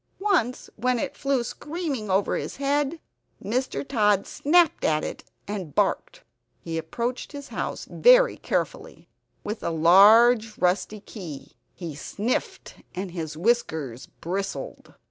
Once when it flew screaming over his head Mr. Tod snapped at it, and barked. He approached his house very carefully, with a large rusty key. He sniffed and his whiskers bristled.